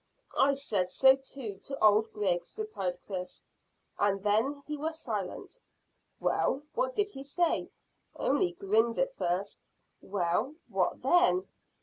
"I said so to old Griggs," replied Chris, and then he was silent. "Well, what did he say?" "Only grinned at first." "Well, what then?"